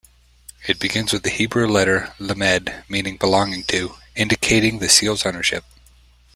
It begins with the Hebrew letter "lamed", meaning "belonging to", indicating the seal's ownership.